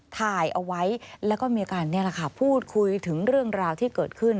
ถ่ายเอาไว้แล้วก็มีการนี่แหละค่ะพูดคุยถึงเรื่องราวที่เกิดขึ้น